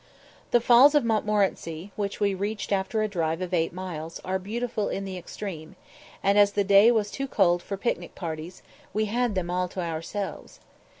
The Falls of Montmorenci, which we reached after a drive of eight miles, are beautiful in the extreme, and, as the day was too cold for picnic parties, we had them all to ourselves.